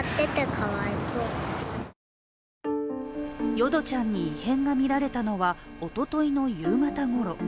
ヨドちゃんに異変がみられたのはおとといの夕方ごろ。